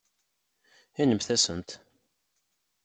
Inimt-asent.